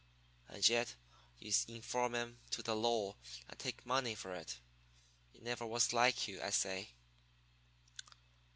And yet you inform him to the law and take money for it. It never was like you, I say."